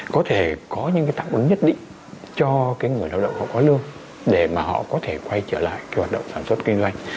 có thể có những tạo ứng nhất định cho người lao động họ có lương để họ có thể quay trở lại hoạt động sản xuất kinh doanh